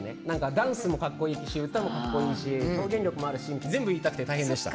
ダンスもかっこいいし歌もかっこいいし表現力もあるし全部言いたくて大変でした。